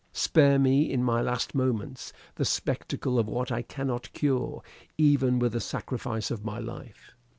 Spare me, in my last moments, the spectacle of what I cannot cure even with the sacrifice of my life."